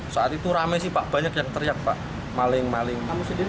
saat itu rame sih pak banyak yang teriak pak maling maling